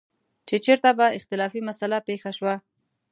چې چېرته به اختلافي مسله پېښه شوه.